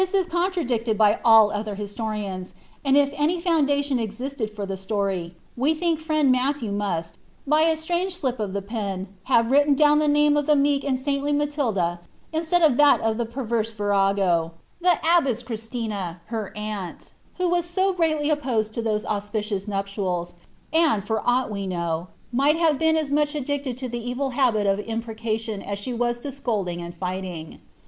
^H But ihij is conlradictRi] by all otlier historians ; and if any fouodatioB existed fur ihe story, we think friend Matthew must, by a atmnpe alip of ihe pen, have written down the name of the meek unij saintly JMatildi ineieaU of ihal of the pervcree virago, the abbess Chrislina, her uni, who was BO greatly opposed to those auspicious nuptials, aud, for atigbt we know, might hove been aa much adiliclt'd to the evil habit of irapro cation ns she was to eeolding and fighiiiig.